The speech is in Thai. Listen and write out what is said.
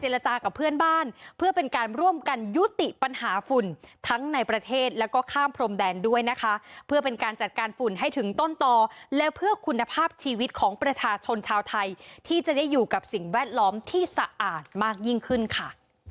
แล้วก็ข้ามพรมแดนด้วยนะคะเพื่อเป็นการจัดการฝุ่นให้ถึงต้นต่อและเพื่อคุณภาพชีวิตของประชาชนชาวไทยที่จะได้อยู่กับสิ่งแวดล้อมที่สะอาดมากยิ่งขึ้นค่ะ